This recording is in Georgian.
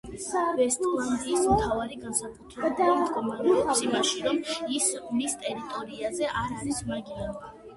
ვესტლანდიის მთავარი განსაკუთრებულობა მდგომარეობს იმაში, რომ მის ტერიტორიაზე არ არის მაგია.